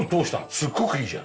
すっごくいいじゃん。